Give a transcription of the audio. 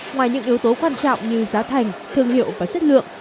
ngoài những yếu tố quan trọng như giá thành thương hiệu và chất lượng